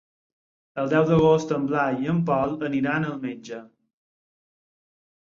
El deu d'agost en Blai i en Pol aniran al metge.